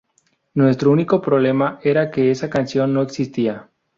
Nuestro único problema era que esa canción no existía.